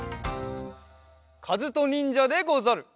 かずとにんじゃでござる！